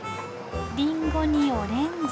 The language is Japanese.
リンゴにオレンジ。